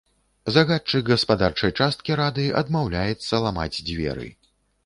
Загадчык гаспадарчай часткі рады адмаўляецца ламаць дзверы.